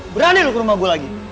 berani loh ke rumah gue lagi